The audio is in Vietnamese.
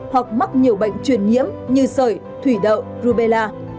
hoặc mắc nhiều bệnh truyền nhiễm như sởi thủy đậu rubella